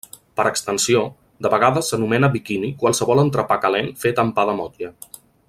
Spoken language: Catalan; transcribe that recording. Per extensió, de vegades s'anomena biquini qualsevol entrepà calent fet amb pa de motlle.